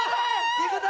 菊田！